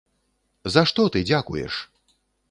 За што ты дзякуеш?